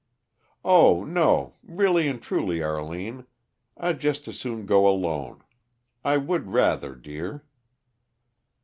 "Oh, no. Really and truly, Arline, I'd just as soon go alone. I would rather, dear."